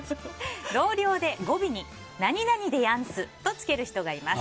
同僚で語尾に「でやんす」とつける人がいます。